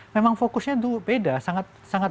memang fokusnya itu beda sangat